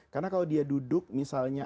karena kalau dia duduk misalnya